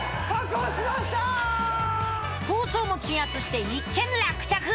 抗争も鎮圧して一件落着！